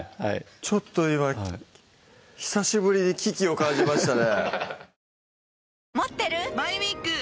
ちょっと今久しぶりに危機を感じましたね